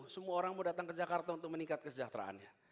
semua orang mau datang ke jakarta untuk meningkat kesejahteraannya